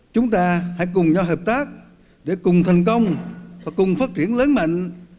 chúng ta hãy cùng nhau hợp tác để cùng thành công và cùng phát triển lớn mạnh